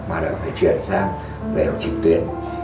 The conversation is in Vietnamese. mà lại phải chuyển sang giải học trực tuyến